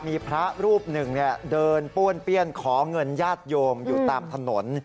มีพระรูปหนึ่งเดินป้วนเปี้ยนขอเงินญาติโยมอยู่ตามถนน